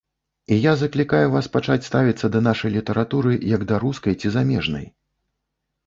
І я заклікаю вас пачаць ставіцца да нашай літаратуры, як да рускай ці замежнай.